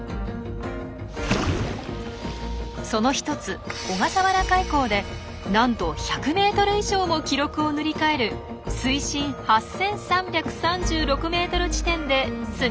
その一つ小笠原海溝でなんと１００ｍ以上も記録を塗り替える水深８，３３６ｍ地点でスネイルフィッシュが見つかったんです。